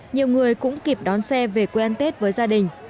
nhiều người cũng kịp đón xe về quê ăn tết với gia đình